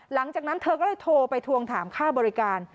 หลังจากนั้นเธอก็เลยโทรไปทวงถามค่าบริการ